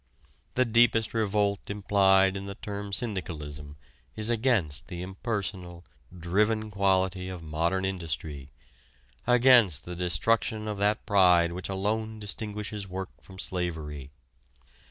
The deepest revolt implied in the term syndicalism is against the impersonal, driven quality of modern industry against the destruction of that pride which alone distinguishes work from slavery.